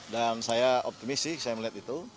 dan saya optimisik saya melihat itu